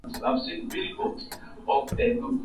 Baada ya kushindwa bao moja kwa sifuri na Ujerumani